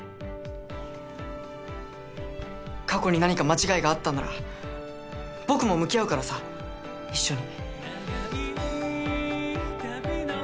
過去に何か間違いがあったなら僕も向き合うからさ一緒に。